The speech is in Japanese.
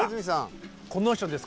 この人です